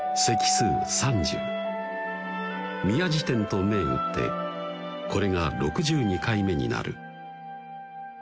席数３０宮治展と銘打ってこれが６２回目になる